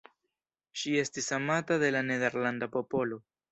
Ŝi estis amata de la nederlanda popolo.